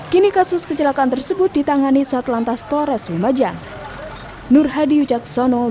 kini kasus kecelakaan tersebut ditangani saat lantas polres lumajang